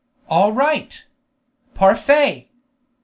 All right!!_ Parfait!!!"